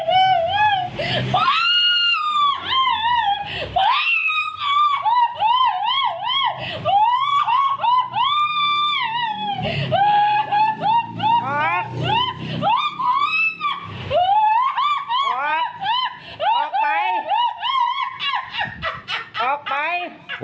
ออกไปออกไป